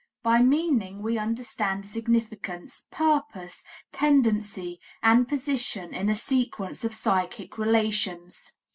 By "meaning" we understand significance, purpose, tendency and position in a sequence of psychic relations.